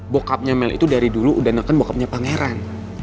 bokapnya mel itu dari dulu udah nekat bokapnya pangeran